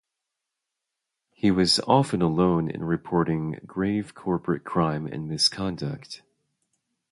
He was often alone in reporting grave corporate crime and misconduct.